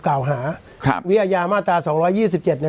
กล่าวหาครับวิอาญามาตราสองร้อยยี่สิบเจ็ดเนี่ย